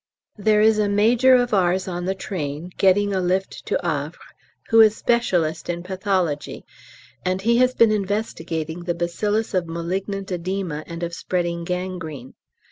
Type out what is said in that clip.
There is a Major of ours on the train, getting a lift to Havre, who is specialist in pathology, and he has been investigating the bacillus of malignant oedema and of spreading gangrene.